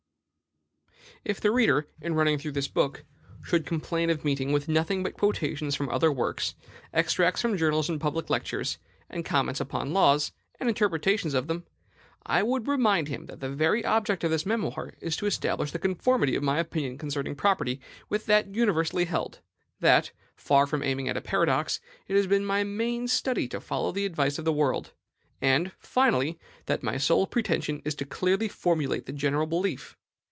If the reader, in running through this book, should complain of meeting with nothing but quotations from other works, extracts from journals and public lectures, comments upon laws, and interpretations of them, I would remind him that the very object of this memoir is to establish the conformity of my opinion concerning property with that universally held; that, far from aiming at a paradox, it has been my main study to follow the advice of the world; and, finally, that my sole pretension is to clearly formulate the general belief.